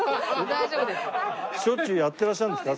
しょっちゅうやっていらっしゃるんですか？